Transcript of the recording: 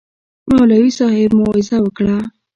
مولوي صاحب موعظه وکړه.